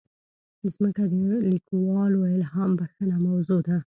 مځکه د لیکوالو الهامبخښه موضوع ده.